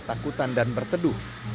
takutan dan berteduh